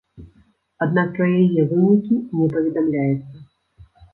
Аднак пра яе вынікі не паведамляецца.